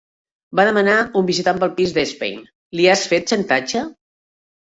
Va demandar un visitant pel pis d'Epstein; li has fet xantatge?